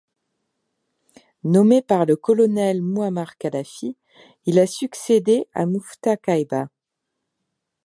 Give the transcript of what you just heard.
Nommé par le colonel Mouammar Kadhafi, il a succédé le à Muftah Kaïba.